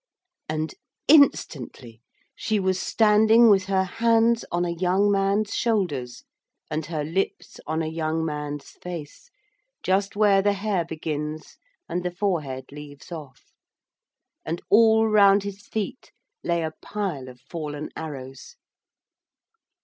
And instantly she was standing with her hands on a young man's shoulders and her lips on a young man's face just where the hair begins and the forehead leaves off. And all round his feet lay a pile of fallen arrows.